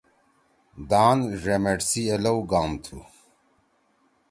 دان ڙیمیٹ سی اے لؤ گام تُھو۔